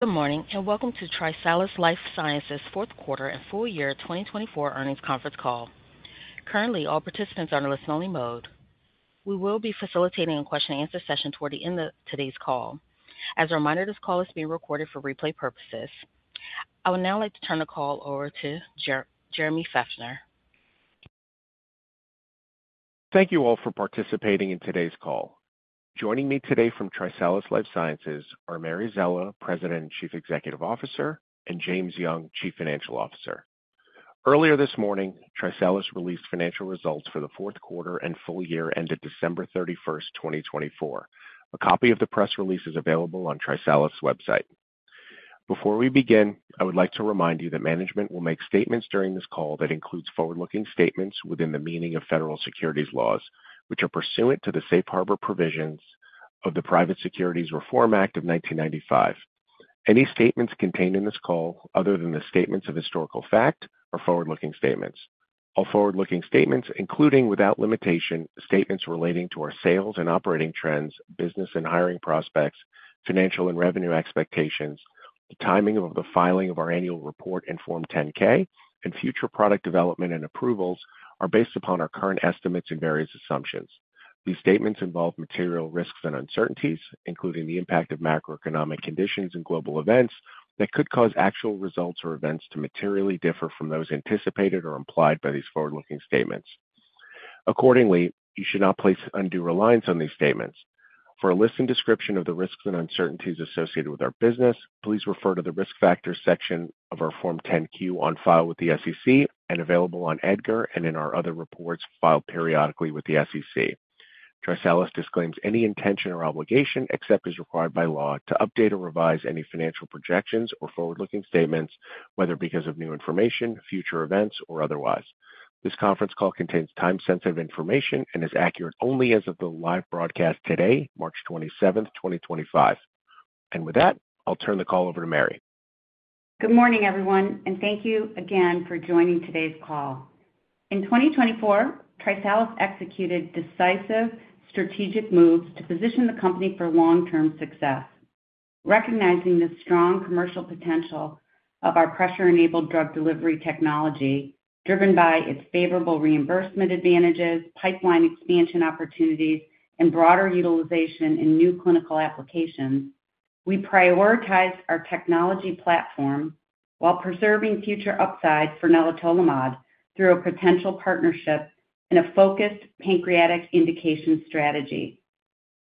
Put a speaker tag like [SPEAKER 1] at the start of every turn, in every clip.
[SPEAKER 1] Good morning and welcome to TriSalus Life Sciences' fourth quarter and full year 2024 earnings conference call. Currently, all participants are in a listen-only mode. We will be facilitating a question-and-answer session toward the end of today's call. As a reminder, this call is being recorded for replay purposes. I would now like to turn the call over to Jeremy Feffer.
[SPEAKER 2] Thank you all for participating in today's call. Joining me today from TriSalus Life Sciences are Mary Szela, President and Chief Executive Officer, and James Young, Chief Financial Officer. Earlier this morning, TriSalus released financial results for the fourth quarter and full year ended December 31, 2024. A copy of the press release is available on TriSalus' website. Before we begin, I would like to remind you that management will make statements during this call that include forward-looking statements within the meaning of federal securities laws, which are pursuant to the safe harbor provisions of the Private Securities Reform Act of 1995. Any statements contained in this call, other than the statements of historical fact, are forward-looking statements. All forward-looking statements, including without limitation, statements relating to our sales and operating trends, business and hiring prospects, financial and revenue expectations, the timing of the filing of our annual report and Form 10-K, and future product development and approvals are based upon our current estimates and various assumptions. These statements involve material risks and uncertainties, including the impact of macroeconomic conditions and global events that could cause actual results or events to materially differ from those anticipated or implied by these forward-looking statements. Accordingly, you should not place undue reliance on these statements. For a list and description of the risks and uncertainties associated with our business, please refer to the risk factors section of our Form 10-Q on file with the SEC and available on EDGAR and in our other reports filed periodically with the SEC. TriSalus disclaims any intention or obligation except as required by law to update or revise any financial projections or forward-looking statements, whether because of new information, future events, or otherwise. This conference call contains time-sensitive information and is accurate only as of the live broadcast today, March 27th, 2025. With that, I'll turn the call over to Mary.
[SPEAKER 3] Good morning, everyone, and thank you again for joining today's call. In 2024, TriSalus executed decisive strategic moves to position the company for long-term success. Recognizing the strong commercial potential of our pressure-enabled drug delivery technology, driven by its favorable reimbursement advantages, pipeline expansion opportunities, and broader utilization in new clinical applications, we prioritized our technology platform while preserving future upside for nelitolimod through a potential partnership in a focused pancreatic indication strategy.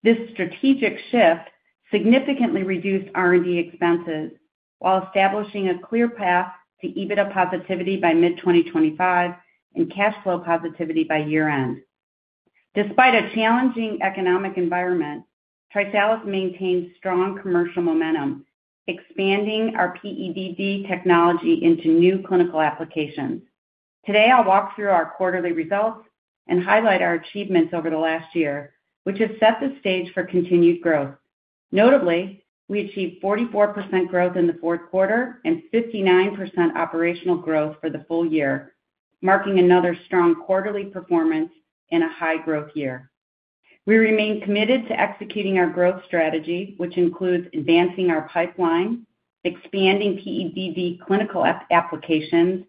[SPEAKER 3] This strategic shift significantly reduced R&D expenses while establishing a clear path to EBITDA positivity by mid-2025 and cash flow positivity by year-end. Despite a challenging economic environment, TriSalus maintained strong commercial momentum, expanding our PEDD technology into new clinical applications. Today, I'll walk through our quarterly results and highlight our achievements over the last year, which has set the stage for continued growth. Notably, we achieved 44% growth in the fourth quarter and 59% operational growth for the full year, marking another strong quarterly performance and a high growth year. We remain committed to executing our growth strategy, which includes advancing our pipeline, expanding PEDD clinical applications,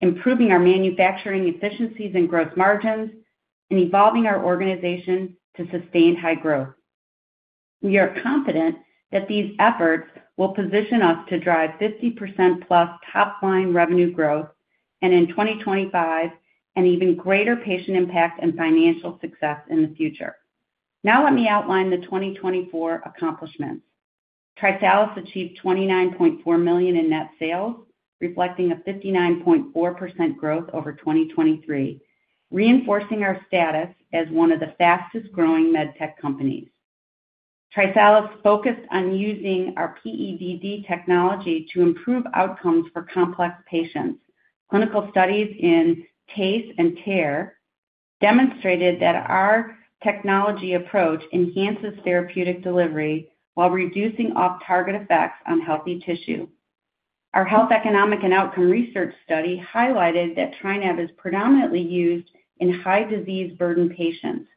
[SPEAKER 3] improving our manufacturing efficiencies and gross margins, and evolving our organization to sustain high growth. We are confident that these efforts will position us to drive 50%+ top-line revenue growth and, in 2025, an even greater patient impact and financial success in the future. Now, let me outline the 2024 accomplishments. TriSalus achieved $29.4 million in net sales, reflecting a 59.4% growth over 2023, reinforcing our status as one of the fastest-growing med tech companies. TriSalus focused on using our PEDD technology to improve outcomes for complex patients. Clinical studies in TACE and TARE demonstrated that our technology approach enhances therapeutic delivery while reducing off-target effects on healthy tissue. Our health economic and outcome research study highlighted that TriNav is predominantly used in high-disease burden patients,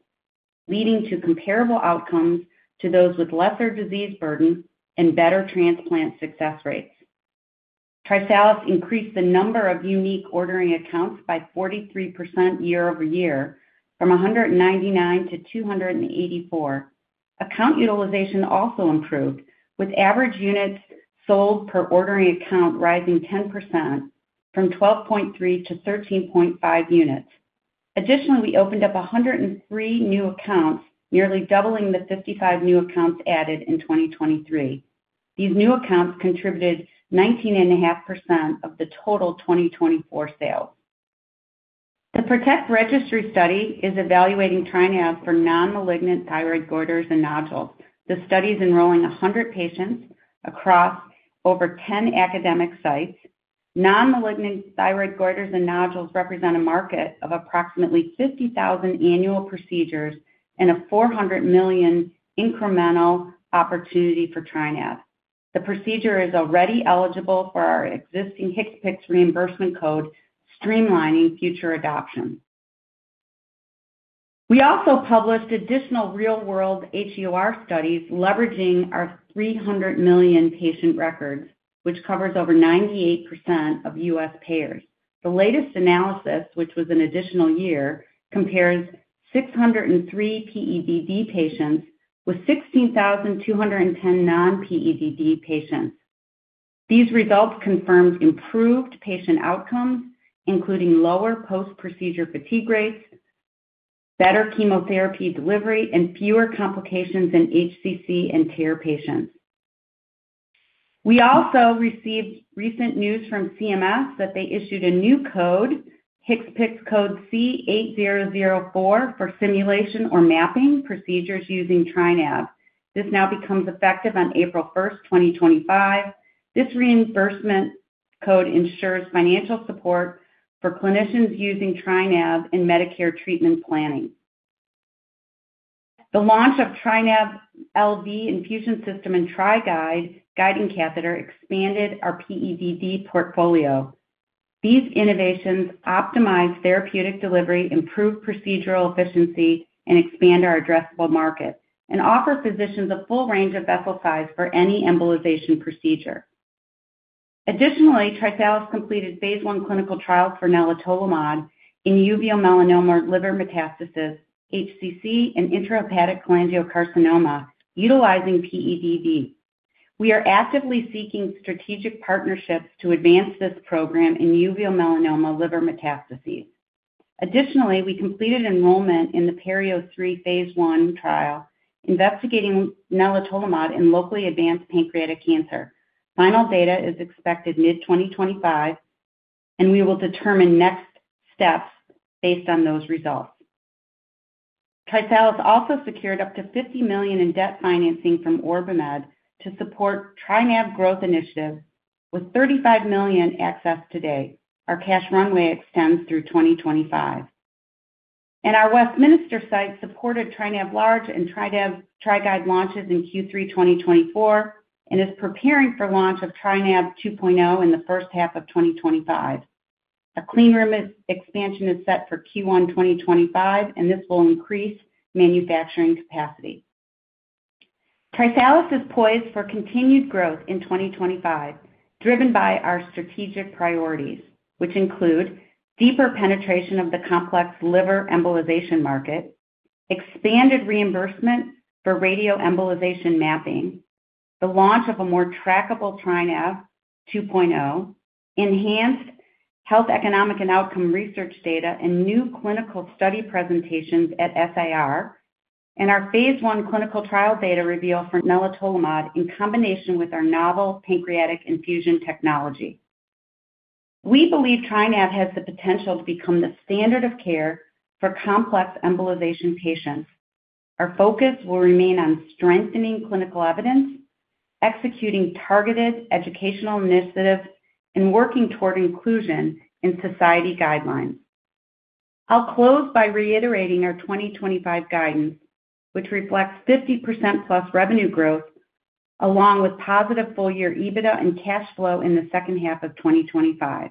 [SPEAKER 3] leading to comparable outcomes to those with lesser disease burden and better transplant success rates. TriSalus increased the number of unique ordering accounts by 43% year-over-year, from 199 to 284. Account utilization also improved, with average units sold per ordering account rising 10%, from 12.3 to 13.5 units. Additionally, we opened up 103 new accounts, nearly doubling the 55 new accounts added in 2023. These new accounts contributed 19.5% of the total 2024 sales. The PROTECT registry study is evaluating TriNav for non-malignant thyroid goiters and nodules. The study is enrolling 100 patients across over 10 academic sites. Non-malignant thyroid goiters and nodules represent a market of approximately 50,000 annual procedures and a $400 million incremental opportunity for TriNav. The procedure is already eligible for our existing HCPCS reimbursement code, streamlining future adoption. We also published additional real-world HUR studies, leveraging our 300 million patient records, which covers over 98% of U.S. payers. The latest analysis, which was an additional year, compares 603 PEDD patients with 16,210 non-PEDD patients. These results confirmed improved patient outcomes, including lower post-procedure fatigue rates, better chemotherapy delivery, and fewer complications in HCC and TARE patients. We also received recent news from CMS that they issued a new code, HCPCS code C8004, for simulation or mapping procedures using TriNav. This now becomes effective on April 1, 2025. This reimbursement code ensures financial support for clinicians using TriNav in Medicare treatment planning. The launch of TriNav Large Vessel Infusion System and TriGuide guiding catheter expanded our PEDD portfolio. These innovations optimize therapeutic delivery, improve procedural efficiency, and expand our addressable market, and offer physicians a full range of vessel size for any embolization procedure. Additionally, TriSalus completed phase one clinical trials for nelitolimod in uveal melanoma liver metastases, HCC, and intrahepatic cholangiocarcinoma, utilizing PEDD. We are actively seeking strategic partnerships to advance this program in uveal melanoma liver metastases. Additionally, we completed enrollment in the PERIO-3 phase one trial investigating nelitolimod in locally advanced pancreatic cancer. Final data is expected mid-2025, and we will determine next steps based on those results. TriSalus also secured up to $50 million in debt financing from OrbiMed to support TriNav growth initiatives, with $35 million accessed today. Our cash runway extends through 2025. Westminster site supported TriNav Large Vessel Infusion System and TriGuide launches in Q3 2024 and is preparing for launch of TRINAB 2.0 in the first half of 2025. A clean room expansion is set for Q1 2025, and this will increase manufacturing capacity. TriSalus Life Sciences is poised for continued growth in 2025, driven by our strategic priorities, which include deeper penetration of the complex liver embolization market, expanded reimbursement for radioembolization mapping, the launch of a more trackable TriNav 2.0, enhanced health economic and outcome research data, new clinical study presentations at SIR, and our phase one clinical trial data reveal for nelitolimod in combination with our novel pancreatic infusion technology. We believe TriNav has the potential to become the standard of care for complex embolization patients. Our focus will remain on strengthening clinical evidence, executing targeted educational initiatives, and working toward inclusion in society guidelines. I'll close by reiterating our 2025 guidance, which reflects 50%+ revenue growth, along with positive full-year EBITDA and cash flow in the second half of 2025.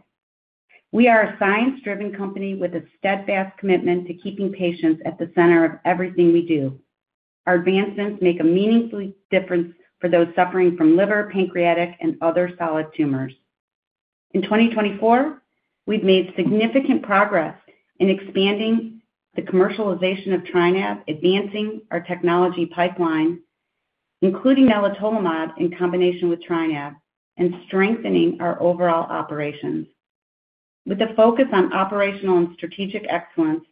[SPEAKER 3] We are a science-driven company with a steadfast commitment to keeping patients at the center of everything we do. Our advancements make a meaningful difference for those suffering from liver, pancreatic, and other solid tumors. In 2024, we've made significant progress in expanding the commercialization of TriNav, advancing our technology pipeline, including nelitolimod in combination with TriNav, and strengthening our overall operations. With a focus on operational and strategic excellence,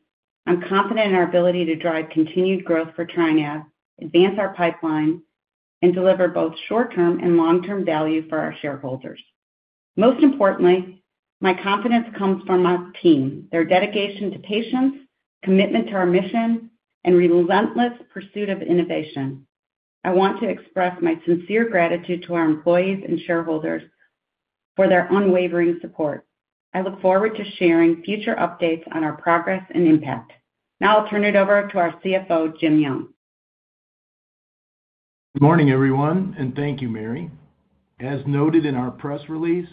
[SPEAKER 3] I'm confident in our ability to drive continued growth for TriNav, advance our pipeline, and deliver both short-term and long-term value for our shareholders. Most importantly, my confidence comes from our team, their dedication to patients, commitment to our mission, and relentless pursuit of innovation. I want to express my sincere gratitude to our employees and shareholders for their unwavering support. I look forward to sharing future updates on our progress and impact. Now, I'll turn it over to our CFO, James Young.
[SPEAKER 4] Good morning, everyone, and thank you, Mary. As noted in our press release,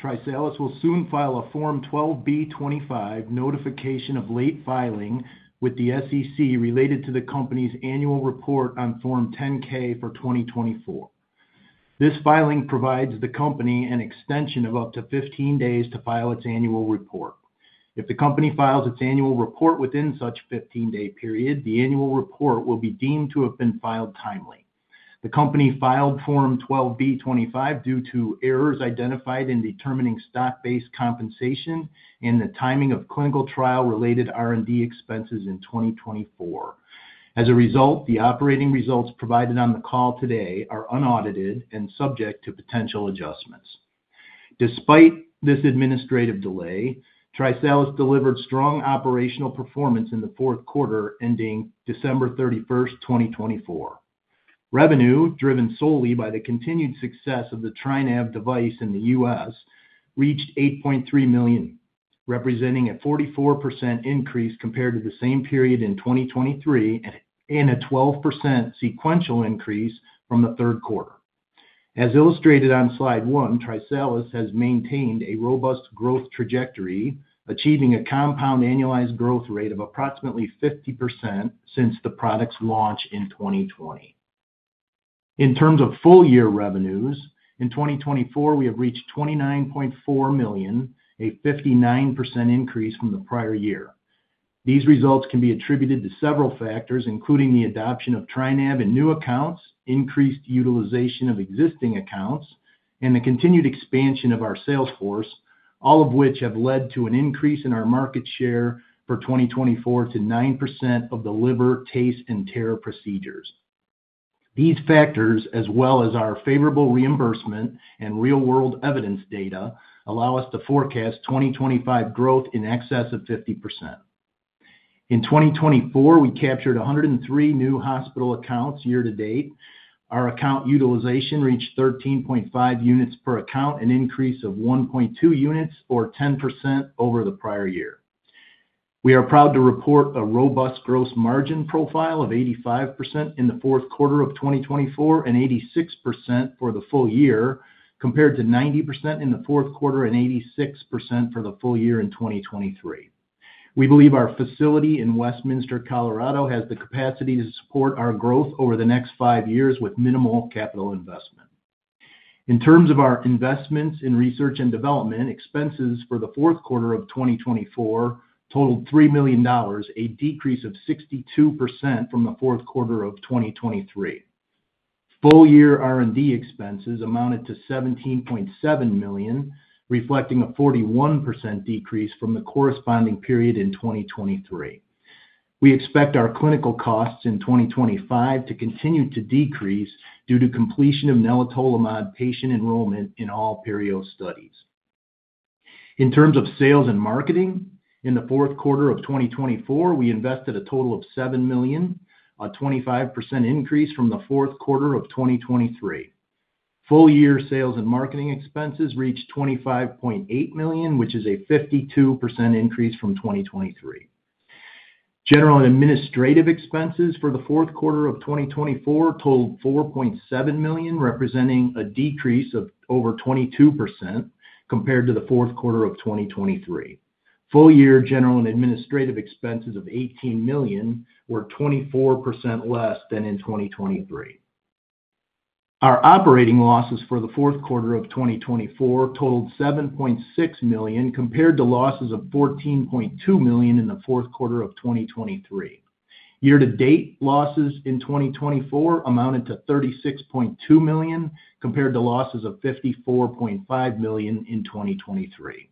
[SPEAKER 4] TriSalus will soon file a Form 12b-25 notification of late filing with the SEC related to the company's annual report on Form 10-K for 2024. This filing provides the company an extension of up to 15 days to file its annual report. If the company files its annual report within such a 15-day period, the annual report will be deemed to have been filed timely. The company filed Form 12b-25 due to errors identified in determining stock-based compensation and the timing of clinical trial-related R&D expenses in 2024. As a result, the operating results provided on the call today are unaudited and subject to potential adjustments. Despite this administrative delay, TriSalus delivered strong operational performance in the fourth quarter ending December 31, 2024. Revenue, driven solely by the continued success of the TriNav device in the U.S., reached $8.3 million, representing a 44% increase compared to the same period in 2023 and a 12% sequential increase from the third quarter. As illustrated on slide one, TriSalus has maintained a robust growth trajectory, achieving a compound annualized growth rate of approximately 50% since the product's launch in 2020. In terms of full-year revenues, in 2024, we have reached $29.4 million, a 59% increase from the prior year. These results can be attributed to several factors, including the adoption of TriNav in new accounts, increased utilization of existing accounts, and the continued expansion of our sales force, all of which have led to an increase in our market share for 2024 to 9% of the liver, TACE, and TARE procedures. These factors, as well as our favorable reimbursement and real-world evidence data, allow us to forecast 2025 growth in excess of 50%. In 2024, we captured 103 new hospital accounts year-to-date. Our account utilization reached 13.5 units per account, an increase of 1.2 units, or 10% over the prior year. We are proud to report a robust gross margin profile of 85% in the fourth quarter of 2024 and 86% for the full year, compared to 90% in the fourth quarter and 86% for the full year in 2023. We believe our facility in Westminster, Colorado, has the capacity to support our growth over the next five years with minimal capital investment. In terms of our investments in research and development, expenses for the fourth quarter of 2024 totaled $3 million, a decrease of 62% from the fourth quarter of 2023. Full-year R&D expenses amounted to $17.7 million, reflecting a 41% decrease from the corresponding period in 2023. We expect our clinical costs in 2025 to continue to decrease due to completion of nelitolimod patient enrollment in all PERIO studies. In terms of sales and marketing, in the fourth quarter of 2024, we invested a total of $7 million, a 25% increase from the fourth quarter of 2023. Full-year sales and marketing expenses reached $25.8 million, which is a 52% increase from 2023. General and administrative expenses for the fourth quarter of 2024 totaled $4.7 million, representing a decrease of over 22% compared to the fourth quarter of 2023. Full-year general and administrative expenses of $18 million were 24% less than in 2023. Our operating losses for the fourth quarter of 2024 totaled $7.6 million, compared to losses of $14.2 million in the fourth quarter of 2023. Year-to-date losses in 2024 amounted to $36.2 million, compared to losses of $54.5 million in 2023.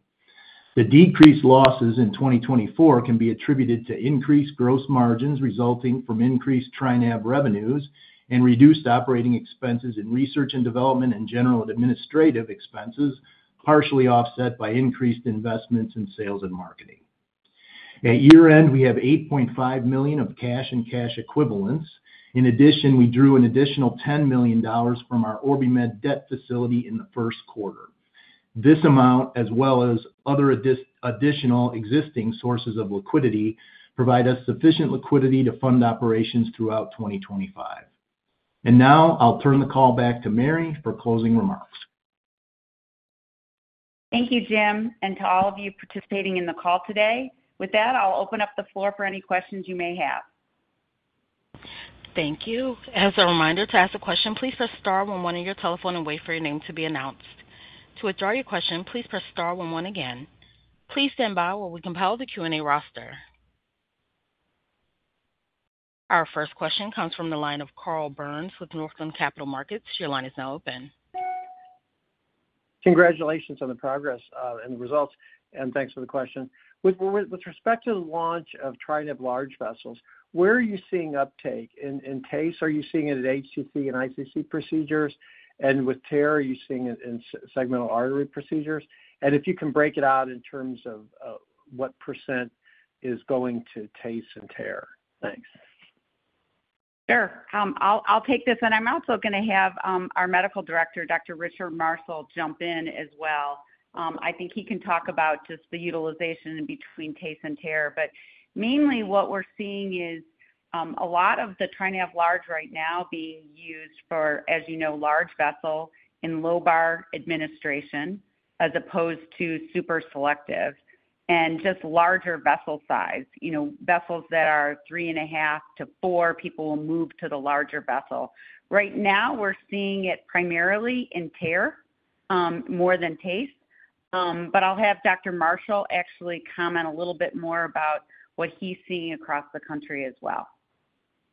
[SPEAKER 4] The decreased losses in 2024 can be attributed to increased gross margins resulting from increased TriNav revenues and reduced operating expenses in research and development and general and administrative expenses, partially offset by increased investments in sales and marketing. At year-end, we have $8.5 million of cash and cash equivalents. In addition, we drew an additional $10 million from our OrbiMed debt facility in the first quarter. This amount, as well as other additional existing sources of liquidity, provide us sufficient liquidity to fund operations throughout 2025. I will now turn the call back to Mary for closing remarks.
[SPEAKER 3] Thank you, Jim, and to all of you participating in the call today. With that, I'll open up the floor for any questions you may have.
[SPEAKER 1] Thank you. As a reminder to ask a question, please press star 11 on your telephone and wait for your name to be announced. To withdraw your question, please press star 11 again. Please stand by while we compile the Q&A roster. Our first question comes from the line of Carl Byrnes with Northland Capital Markets. Your line is now open.
[SPEAKER 5] Congratulations on the progress and the results, and thanks for the question. With respect to the launch of TriNav large vessels, where are you seeing uptake? In TACE, are you seeing it at HCC and ICC procedures? With TARE, are you seeing it in segmental artery procedures? If you can break it out in terms of what % is going to TACE and TARE, thanks.
[SPEAKER 3] Sure. I'll take this. I'm also going to have our Medical Director, Dr. Richard Marshall, jump in as well. I think he can talk about just the utilization between TACE and TARE. Mainly, what we're seeing is a lot of the TriNav Large right now being used for, as you know, large vessel in lobar administration as opposed to super selective and just larger vessel size. Vessels that are three and a half to four, people will move to the larger vessel. Right now, we're seeing it primarily in TARE more than TACE. I'll have Dr. Marshall actually comment a little bit more about what he's seeing across the country as well.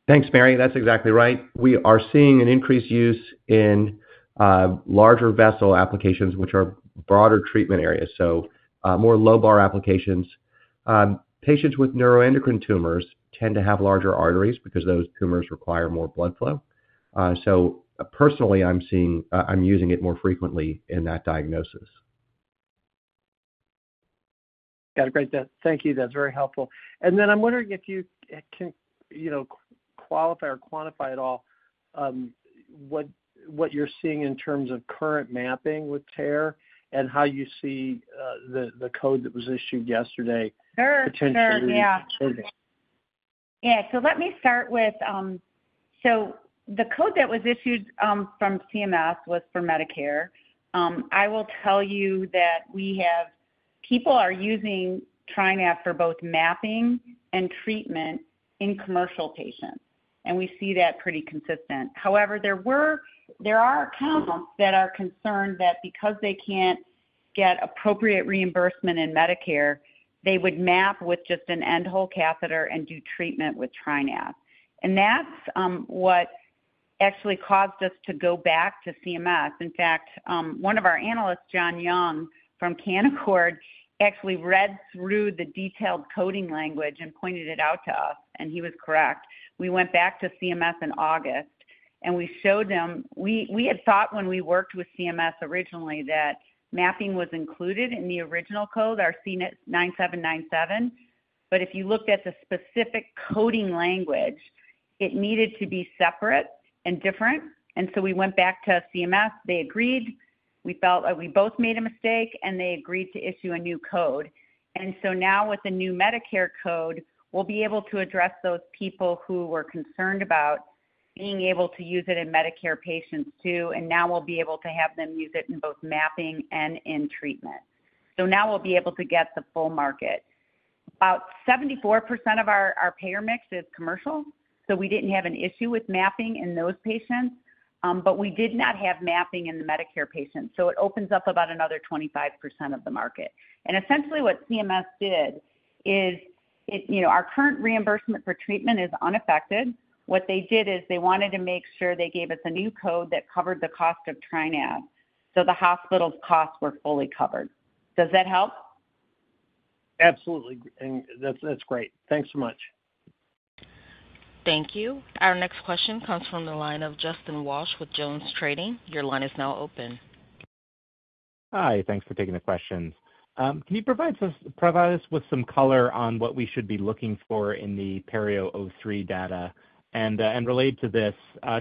[SPEAKER 6] Thanks, Mary. That's exactly right. We are seeing an increased use in larger vessel applications, which are broader treatment areas, so more low-bar applications. Patients with neuroendocrine tumors tend to have larger arteries because those tumors require more blood flow. Personally, I'm using it more frequently in that diagnosis.
[SPEAKER 5] Got it. Great. Thank you. That's very helpful. I am wondering if you can qualify or quantify at all what you're seeing in terms of current mapping with TARE and how you see the code that was issued yesterday potentially.
[SPEAKER 3] Sure. Yeah. Yeah. Let me start with the code that was issued from CMS was for Medicare. I will tell you that people are using TriNav for both mapping and treatment in commercial patients. We see that pretty consistent. However, there are accounts that are concerned that because they can't get appropriate reimbursement in Medicare, they would map with just an end-hole catheter and do treatment with TriNav. That actually caused us to go back to CMS. In fact, one of our analysts, John Young from Canaccord, actually read through the detailed coding language and pointed it out to us. He was correct. We went back to CMS in August, and we showed them we had thought when we worked with CMS originally that mapping was included in the original code, our C9797. If you looked at the specific coding language, it needed to be separate and different. We went back to CMS. They agreed. We felt that we both made a mistake, and they agreed to issue a new code. Now, with the new Medicare code, we'll be able to address those people who were concerned about being able to use it in Medicare patients too. Now we'll be able to have them use it in both mapping and in treatment. Now we'll be able to get the full market. About 74% of our payer mix is commercial, so we didn't have an issue with mapping in those patients. We did not have mapping in the Medicare patients. It opens up about another 25% of the market. Essentially, what CMS did is our current reimbursement for treatment is unaffected. What they did is they wanted to make sure they gave us a new code that covered the cost of TriNav so the hospital's costs were fully covered. Does that help?
[SPEAKER 5] Absolutely. That's great. Thanks so much.
[SPEAKER 1] Thank you. Our next question comes from the line of Justin Walsh with Jones Trading. Your line is now open.
[SPEAKER 7] Hi. Thanks for taking the questions. Can you provide us with some color on what we should be looking for in the PERIO-3 data? Related to this,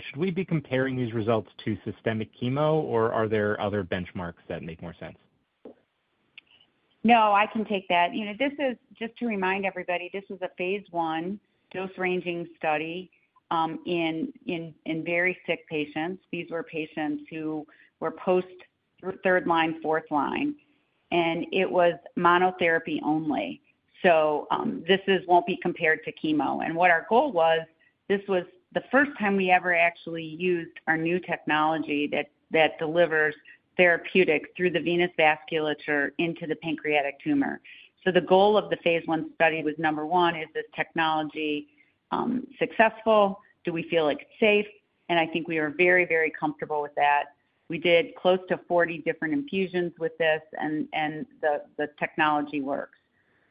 [SPEAKER 7] should we be comparing these results to systemic chemo, or are there other benchmarks that make more sense?
[SPEAKER 3] No, I can take that. Just to remind everybody, this was a phase one dose-ranging study in very sick patients. These were patients who were post-third line, fourth line. It was monotherapy only. This will not be compared to chemo. What our goal was, this was the first time we ever actually used our new technology that delivers therapeutics through the venous vasculature into the pancreatic tumor. The goal of the phase one study was, number one, is this technology successful? Do we feel it is safe? I think we are very, very comfortable with that. We did close to 40 different infusions with this, and the technology works.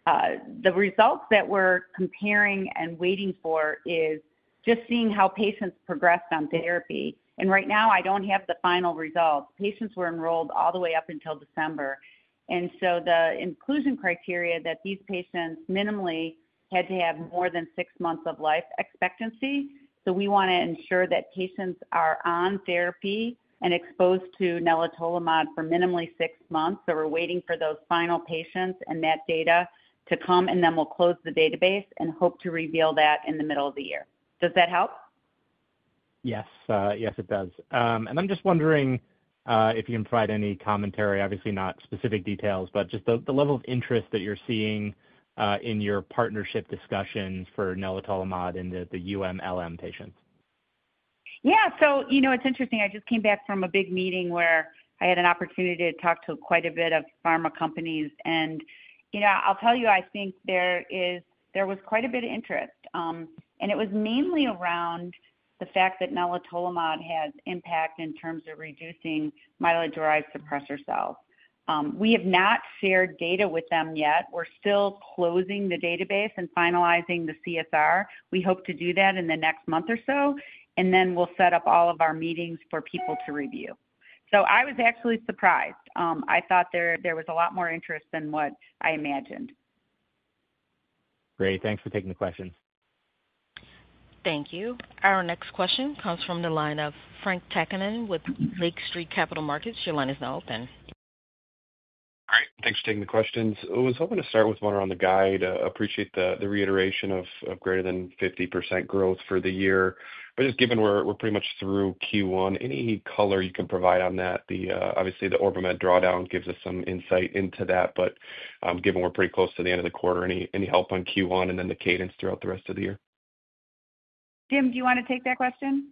[SPEAKER 3] The results that we are comparing and waiting for is just seeing how patients progressed on therapy. Right now, I do not have the final results. Patients were enrolled all the way up until December. The inclusion criteria that these patients minimally had to have more than six months of life expectancy. We want to ensure that patients are on therapy and exposed to nelitolimod for minimally six months. We are waiting for those final patients and that data to come, and then we will close the database and hope to reveal that in the middle of the year. Does that help?
[SPEAKER 7] Yes. Yes, it does. I'm just wondering if you can provide any commentary, obviously not specific details, but just the level of interest that you're seeing in your partnership discussions for nelitolimod in the UMLM patients.
[SPEAKER 3] Yeah. So it's interesting. I just came back from a big meeting where I had an opportunity to talk to quite a bit of pharma companies. I'll tell you, I think there was quite a bit of interest. It was mainly around the fact that nelitolimod has impact in terms of reducing myeloid-derived suppressor cells. We have not shared data with them yet. We're still closing the database and finalizing the CSR. We hope to do that in the next month or so. We'll set up all of our meetings for people to review. I was actually surprised. I thought there was a lot more interest than what I imagined.
[SPEAKER 7] Great. Thanks for taking the questions.
[SPEAKER 1] Thank you. Our next question comes from the line of Frank Takkinen with Lake Street Capital Markets. Your line is now open.
[SPEAKER 8] All right. Thanks for taking the questions. I was hoping to start with one around the guide. Appreciate the reiteration of greater than 50% growth for the year. Just given we're pretty much through Q1, any color you can provide on that? Obviously, the OrbiMed drawdown gives us some insight into that. Given we're pretty close to the end of the quarter, any help on Q1 and then the cadence throughout the rest of the year?
[SPEAKER 3] Jim, do you want to take that question?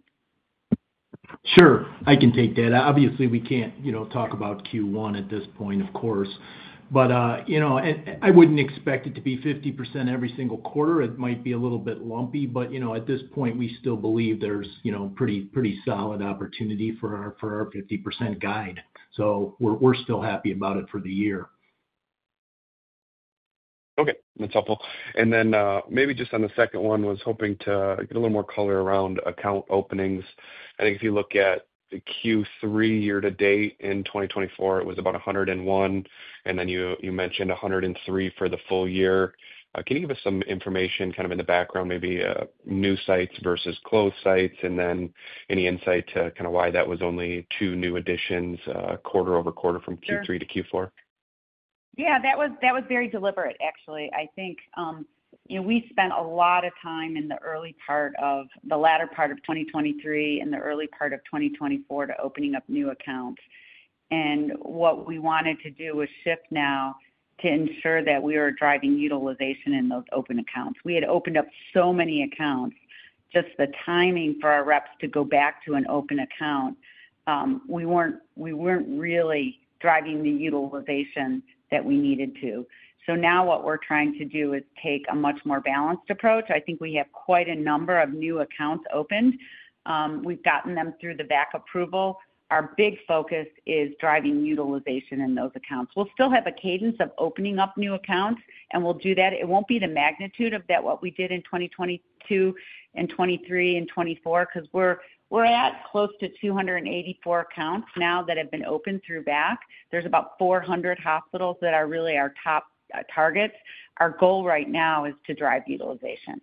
[SPEAKER 4] Sure. I can take that. Obviously, we can't talk about Q1 at this point, of course. I wouldn't expect it to be 50% every single quarter. It might be a little bit lumpy. At this point, we still believe there's pretty solid opportunity for our 50% guide. We're still happy about it for the year.
[SPEAKER 8] Okay. That's helpful. Maybe just on the second one, was hoping to get a little more color around account openings. I think if you look at Q3 year-to-date in 2024, it was about 101. You mentioned 103 for the full year. Can you give us some information kind of in the background, maybe new sites versus closed sites, and any insight to kind of why that was only two new additions quarter over quarter from Q3 to Q4?
[SPEAKER 3] Yeah. That was very deliberate, actually. I think we spent a lot of time in the early part of the latter part of 2023 and the early part of 2024 to opening up new accounts. What we wanted to do was shift now to ensure that we were driving utilization in those open accounts. We had opened up so many accounts. Just the timing for our reps to go back to an open account, we were not really driving the utilization that we needed to. Now what we are trying to do is take a much more balanced approach. I think we have quite a number of new accounts opened. We have gotten them through the VAC approval. Our big focus is driving utilization in those accounts. We will still have a cadence of opening up new accounts, and we will do that. It won't be the magnitude of what we did in 2022 and 2023 and 2024 because we're at close to 284 accounts now that have been opened through VAC. There's about 400 hospitals that are really our top targets. Our goal right now is to drive utilization.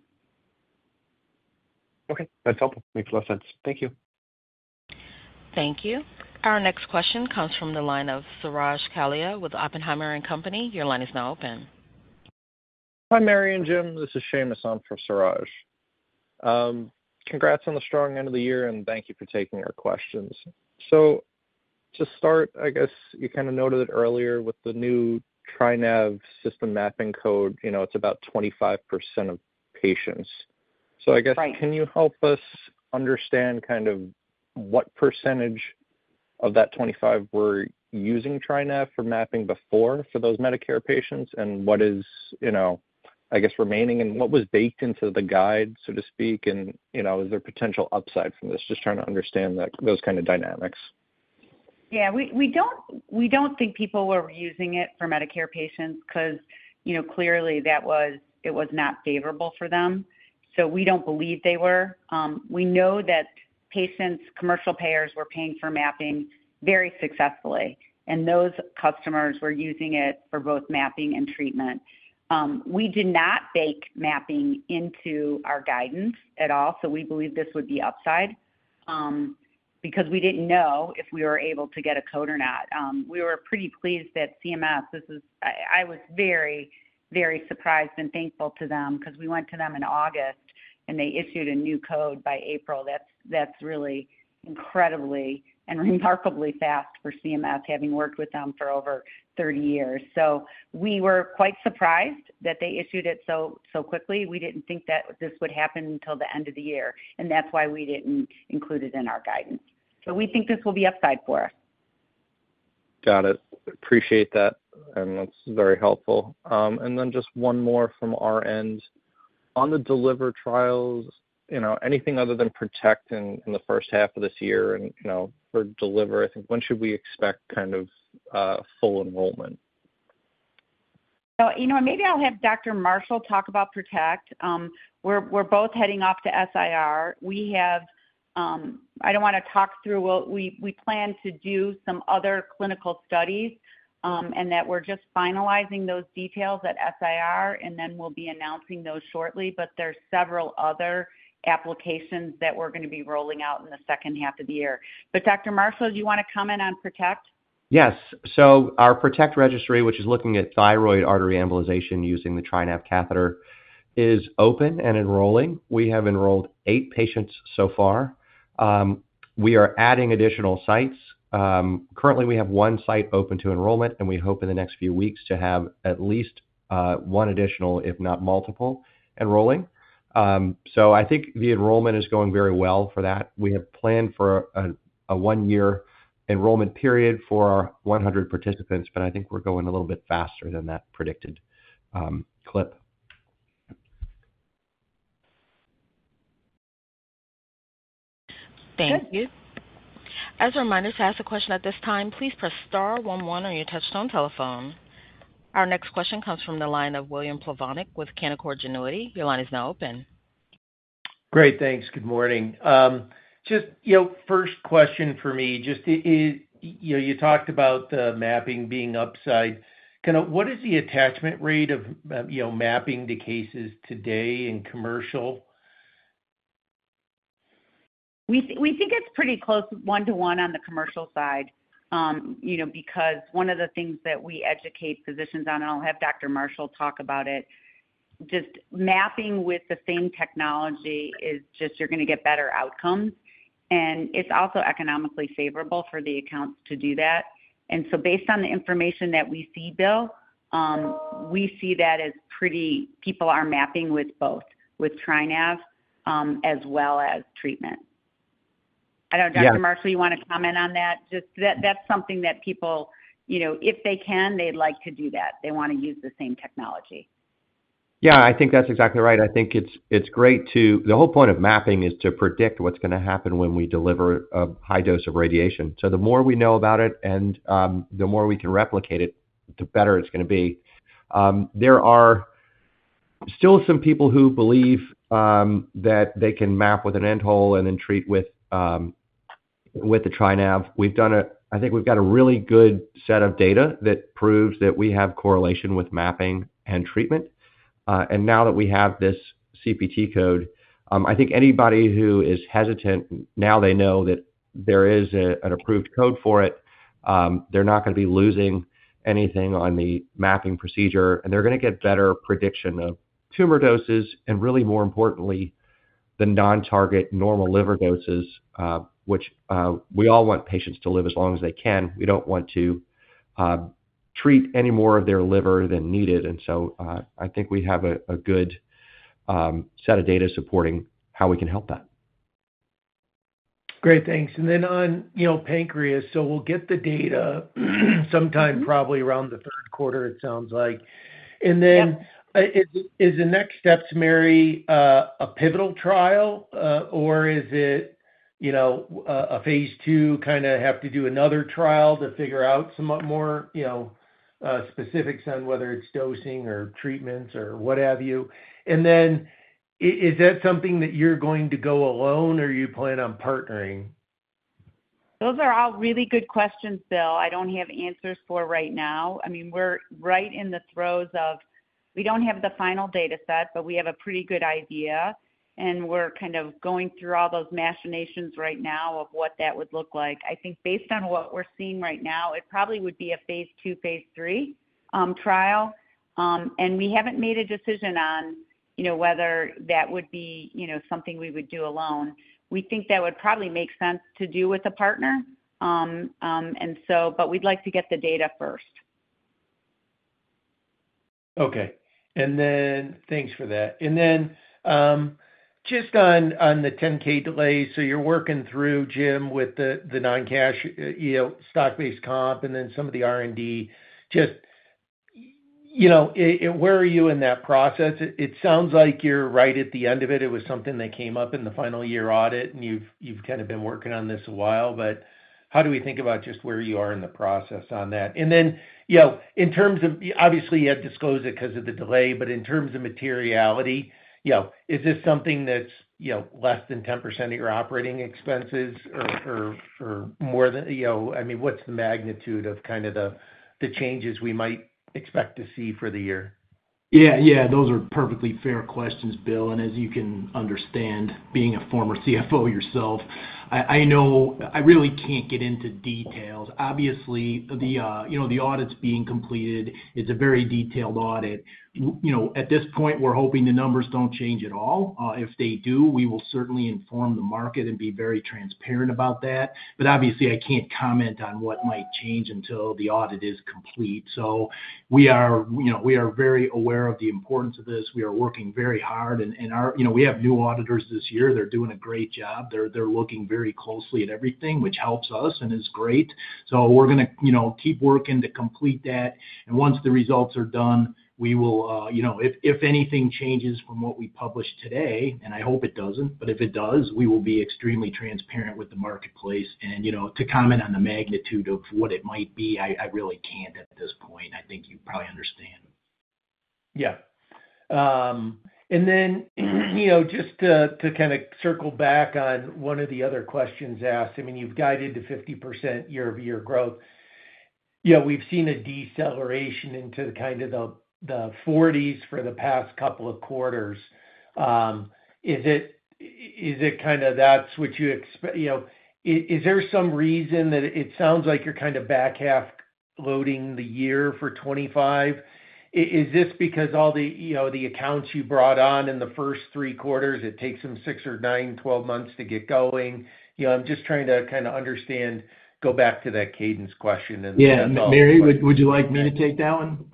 [SPEAKER 8] Okay. That's helpful. Makes a lot of sense. Thank you.
[SPEAKER 1] Thank you. Our next question comes from the line of Suraj Kalia with Oppenheimer & Company. Your line is now open.
[SPEAKER 9] Hi, Mary and Jim. This is Sean from Suraj. Congrats on the strong end of the year, and thank you for taking our questions. To start, I guess you kind of noted it earlier with the new TriNav system mapping code, it's about 25% of patients. Can you help us understand kind of what percentage of that 25 were using TriNav for mapping before for those Medicare patients, and what is, I guess, remaining? What was baked into the guide, so to speak, and is there potential upside from this? Just trying to understand those kind of dynamics.
[SPEAKER 3] Yeah. We don't think people were using it for Medicare patients because clearly, it was not favorable for them. So we don't believe they were. We know that patients, commercial payers, were paying for mapping very successfully. And those customers were using it for both mapping and treatment. We did not bake mapping into our guidance at all. So we believe this would be upside because we didn't know if we were able to get a code or not. We were pretty pleased that CMS—I was very, very surprised and thankful to them because we went to them in August, and they issued a new code by April. That's really incredibly and remarkably fast for CMS, having worked with them for over 30 years. So we were quite surprised that they issued it so quickly. We didn't think that this would happen until the end of the year. That is why we did not include it in our guidance. We think this will be upside for us.
[SPEAKER 9] Got it. Appreciate that. That's very helpful. Just one more from our end. On the Deliver trials, anything other than Protect in the first half of this year for Deliver? I think, when should we expect kind of full enrollment?
[SPEAKER 3] Maybe I'll have Dr. Marshall talk about PROTECT. We're both heading off to SIR. I don't want to talk through—we plan to do some other clinical studies and that we're just finalizing those details at SIR, and then we'll be announcing those shortly. There are several other applications that we're going to be rolling out in the second half of the year. Dr. Marshall, do you want to comment on PROTECT?
[SPEAKER 6] Yes. Our PROTECT registry, which is looking at thyroid artery embolization using the TriNav catheter, is open and enrolling. We have enrolled eight patients so far. We are adding additional sites. Currently, we have one site open to enrollment, and we hope in the next few weeks to have at least one additional, if not multiple, enrolling. I think the enrollment is going very well for that. We have planned for a one-year enrollment period for our 100 participants, but I think we are going a little bit faster than that predicted clip.
[SPEAKER 1] Thank you. As a reminder, to ask a question at this time, please press star 11 on your touchstone telephone. Our next question comes from the line of William Plovanic with Canaccord Genuity. Your line is now open.
[SPEAKER 10] Great. Thanks. Good morning. Just first question for me, just you talked about the mapping being upside. Kind of what is the attachment rate of mapping to cases today in commercial?
[SPEAKER 3] We think it's pretty close one-to-one on the commercial side because one of the things that we educate physicians on, and I'll have Dr. Marshall talk about it, just mapping with the same technology is just you're going to get better outcomes. It is also economically favorable for the accounts to do that. Based on the information that we see, Bill, we see that as pretty—people are mapping with both, with TriNav as well as treatment. I don't know, Dr. Marshall, you want to comment on that? Just that's something that people, if they can, they'd like to do that. They want to use the same technology.
[SPEAKER 6] Yeah. I think that's exactly right. I think it's great to—the whole point of mapping is to predict what's going to happen when we deliver a high dose of radiation. The more we know about it and the more we can replicate it, the better it's going to be. There are still some people who believe that they can map with an end hole and then treat with the TriNav. I think we've got a really good set of data that proves that we have correlation with mapping and treatment. Now that we have this CPT code, I think anybody who is hesitant, now they know that there is an approved code for it, they're not going to be losing anything on the mapping procedure. They are going to get better prediction of tumor doses and, really more importantly, the non-target normal liver doses, which we all want patients to live as long as they can. We do not want to treat any more of their liver than needed. I think we have a good set of data supporting how we can help that.
[SPEAKER 10] Great. Thanks. On pancreas, we'll get the data sometime probably around the third quarter, it sounds like. Is the next step, Mary, a pivotal trial, or is it a phase two, kind of have to do another trial to figure out some more specifics on whether it's dosing or treatments or what have you? Is that something that you're going to go alone, or are you planning on partnering?
[SPEAKER 3] Those are all really good questions, Bill. I don't have answers for right now. I mean, we're right in the throes of—we don't have the final data set, but we have a pretty good idea. We're kind of going through all those machinations right now of what that would look like. I think based on what we're seeing right now, it probably would be a phase two, phase three trial. We haven't made a decision on whether that would be something we would do alone. We think that would probably make sense to do with a partner. We'd like to get the data first.
[SPEAKER 10] Okay. Thanks for that. Just on the 10K delay, you're working through, Jim, with the non-cash stock-based comp and then some of the R&D. Where are you in that process? It sounds like you're right at the end of it. It was something that came up in the final year audit, and you've kind of been working on this a while. How do we think about just where you are in the process on that? In terms of—obviously, you had disclosed it because of the delay. In terms of materiality, is this something that's less than 10% of your operating expenses or more than—I mean, what's the magnitude of kind of the changes we might expect to see for the year?
[SPEAKER 4] Yeah. Yeah. Those are perfectly fair questions, Bill. As you can understand, being a former CFO yourself, I really can't get into details. Obviously, the audit is being completed, it's a very detailed audit. At this point, we're hoping the numbers don't change at all. If they do, we will certainly inform the market and be very transparent about that. Obviously, I can't comment on what might change until the audit is complete. We are very aware of the importance of this. We are working very hard. We have new auditors this year. They're doing a great job. They're looking very closely at everything, which helps us and is great. We're going to keep working to complete that. Once the results are done, if anything changes from what we publish today, and I hope it doesn't, but if it does, we will be extremely transparent with the marketplace. To comment on the magnitude of what it might be, I really can't at this point. I think you probably understand.
[SPEAKER 10] Yeah. Just to kind of circle back on one of the other questions asked, I mean, you've guided to 50% year-over-year growth. We've seen a deceleration into kind of the 40s for the past couple of quarters. Is it kind of that's what you—is there some reason that it sounds like you're kind of back half loading the year for 2025? Is this because all the accounts you brought on in the first three quarters, it takes them 6 or 9, 12 months to get going? I'm just trying to kind of understand, go back to that cadence question.
[SPEAKER 4] Yeah. Mary, would you like me to take that one?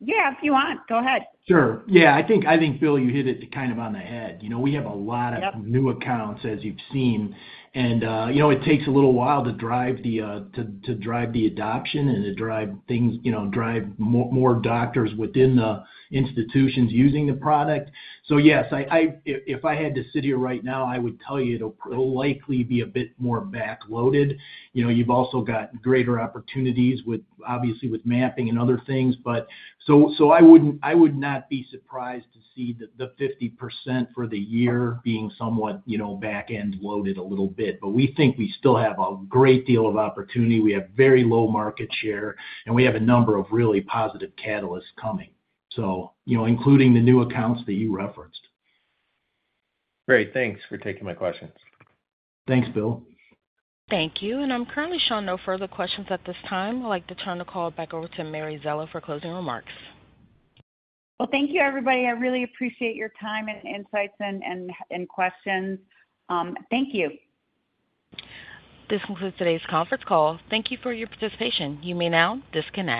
[SPEAKER 3] Yeah. If you want, go ahead.
[SPEAKER 4] Sure. Yeah. I think, Bill, you hit it kind of on the head. We have a lot of new accounts, as you've seen. It takes a little while to drive the adoption and to drive things, drive more doctors within the institutions using the product. Yes, if I had to sit here right now, I would tell you it'll likely be a bit more back loaded. You've also got greater opportunities, obviously, with mapping and other things. I would not be surprised to see the 50% for the year being somewhat back end loaded a little bit. We think we still have a great deal of opportunity. We have very low market share, and we have a number of really positive catalysts coming, including the new accounts that you referenced.
[SPEAKER 10] Great. Thanks for taking my questions.
[SPEAKER 4] Thanks, Bill.
[SPEAKER 1] Thank you. I'm currently showing no further questions at this time. I'd like to turn the call back over to Mary Szela for closing remarks.
[SPEAKER 3] Thank you, everybody. I really appreciate your time and insights and questions. Thank you.
[SPEAKER 1] This concludes today's conference call. Thank you for your participation. You may now disconnect.